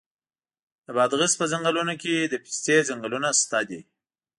د بادغیس په څنګلونو کې د پستې ځنګلونه شته دي.